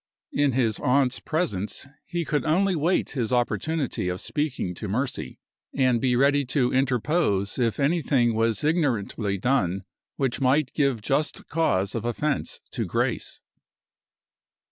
In his aunt's presence he could only wait his opportunity of speaking to Mercy, and be ready to interpose if anything was ignorantly done which might give just cause of offense to Grace.